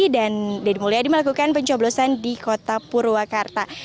dan dedy mulyadi melakukan pencoblosan di kota purwakarta